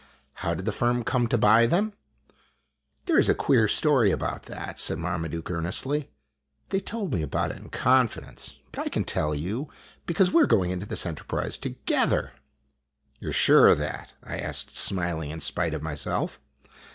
" How did the firm come to buy them ?"" There 's a queer story about that," said Marmaduke earnestly. "They told me about it in confidence; but I can tell you, because we are going into this enterprise together." " You 're sure of that?" I asked, smiling in spite of myself.